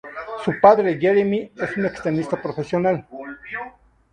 Su padre, Jeremy, es un ex tenista profesional.